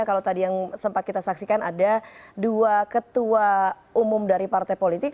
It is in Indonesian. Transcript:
kalau tadi yang sempat kita saksikan ada dua ketua umum dari partai politik